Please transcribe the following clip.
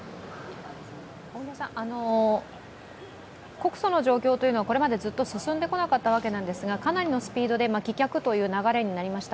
告訴の状況はこれまでずっと進んでこなかったわけですがかなりのスピードで棄却という流れになりました